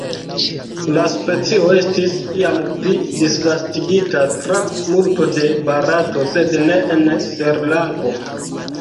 La specio estis iam pli disvastigita tra multo de Barato sed ne en Srilanko.